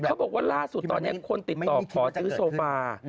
เขาบอกว่าล่าสุดตอนนี้คนติดต่อขอซื้อโซฟา